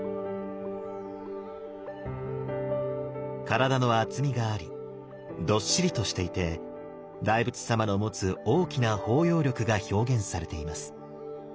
体の厚みがありどっしりとしていて大仏様の持つ大きな包容力が表現されています。